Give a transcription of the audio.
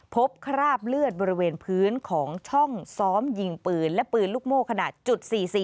คราบเลือดบริเวณพื้นของช่องซ้อมยิงปืนและปืนลูกโม่ขนาดจุด๔๔